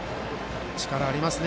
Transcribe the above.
力がありますね。